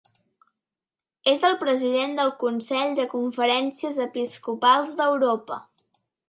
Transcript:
És el President del Consell de Conferències Episcopals d'Europa.